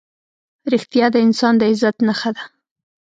رښتیا د انسان د عزت نښه ده.